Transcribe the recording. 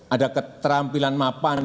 ada keterampilan mapan